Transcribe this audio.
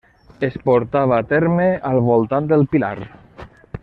Es portava a terme al voltant del Pilar.